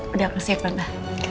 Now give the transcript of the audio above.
udah aku siap tante